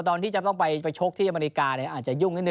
ตอนที่จะต้องไปไปโชคที่อเมริกาเนี่ย